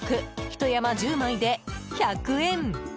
ひと山１０枚で１００円。